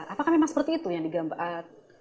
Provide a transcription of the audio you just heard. apakah memang seperti itu yang digambar